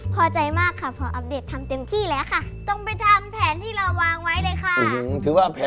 พอใจมากครับเพราะอัปเดตทำเต็มที่แล้วค่ะ